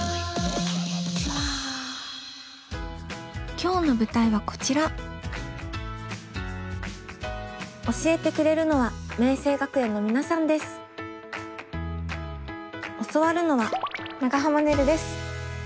今日の舞台はこちら教えてくれるのは教わるのは長濱ねるです。